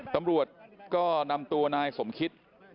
ตำรวจก็นำตัวนายสมคิต